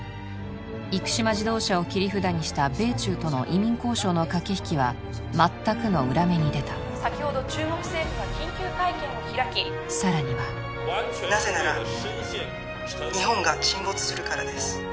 生島自動車を切り札にした米中との移民交渉の駆け引きは全くの裏目に出た先ほど中国政府が緊急会見を開きさらにはなぜなら日本が沈没するからです